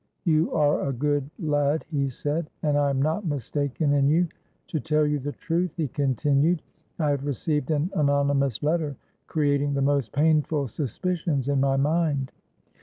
—'You are a good lad,' he said; 'and I am not mistaken in you. To tell you the truth,' he continued, 'I have received an anonymous letter, creating the most painful suspicions in my mind.